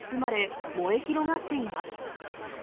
激しい炎に家が包まれ、燃え広がっています。